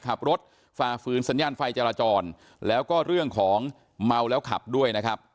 ฝ่าฝืนสัญญาณไฟจราจรแล้วก็เรื่องของเมาแล้วขับด้วยนะครับ